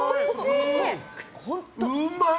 うまーい！